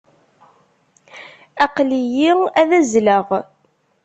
Aql-iyi ad azzleɣ.